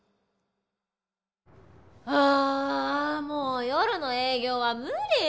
ああもう夜の営業は無理！